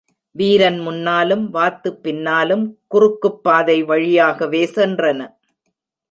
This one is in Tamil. வீரன் முன்னாலும் வாத்து பின்னாலும் குறுக்குப்பாதை வழியாகவே சென்றன.